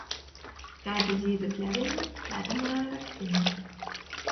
Kaidi zīdi pļaveņā, taidi i munā raksteņā.